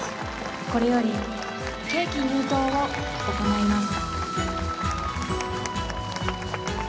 これよりケーキ入刀を行います